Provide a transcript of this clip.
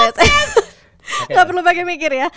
tidak perlu pakai mikir ya